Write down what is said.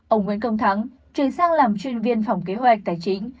ông nguyễn công thắng chuyển sang làm chuyên viên phòng kế hoạch tài chính